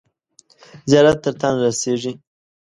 زیارت تر تاته نه رسیږي.